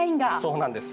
そうなんです。